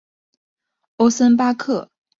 欧森巴克。